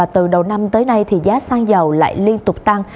từ đầu năm tới nay thì giá xăng dầu lại liên tục tăng